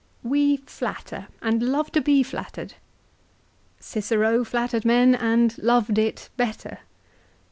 We natter and love to be flattered. Cicero flattered men and loved it "better.